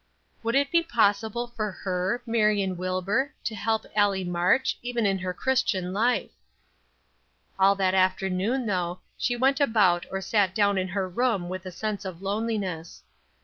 "Would it not be possible for her, Marion Wilbur, to help Allie March, even in her Christian life!" All that afternoon, though, she went about or sat down in her room with a sense of loneliness.